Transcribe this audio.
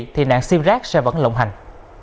thì nạn sim rác sẽ vẫn lộng hành